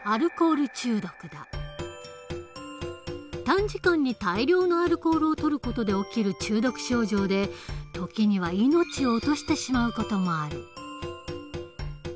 短時間に大量のアルコールをとる事で起きる中毒症状で時には命を落としてしまう事もある。